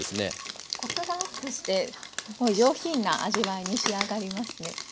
コクがアップして上品な味わいに仕上がりますね。